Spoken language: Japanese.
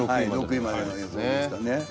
６位までの予想でしたね。